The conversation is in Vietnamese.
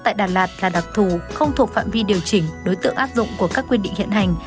tại đà lạt là đặc thù không thuộc phạm vi điều chỉnh đối tượng áp dụng của các quy định hiện hành